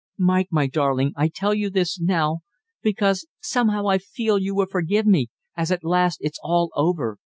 Mike, my darling, I tell you this now because somehow I feel you will forgive me, as at last it's all over.